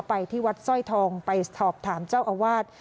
ไปที่วัดสร้อยทองไปสอบถามเจ้าอาวาส